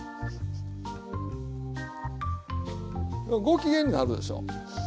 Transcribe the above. ご機嫌になるでしょ。